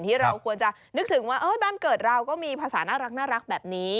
ที่เราควรจะนึกถึงว่าบ้านเกิดเราก็มีภาษาน่ารักแบบนี้